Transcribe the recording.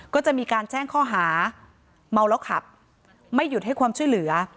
ก็จะมีการแจ้งข้อหาเมาแล้วขับไม่หยุดให้ความช่วยเหลือ